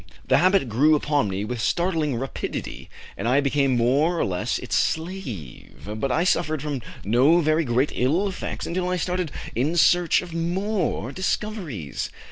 The habit grew upon me with startling rapidity, and I became more or less its slave, but I suffered from no very great ill effects until I started in search of more discoveries.